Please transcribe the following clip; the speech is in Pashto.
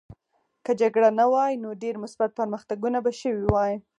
که جګړه نه وای نو ډېر مثبت پرمختګونه به شوي وای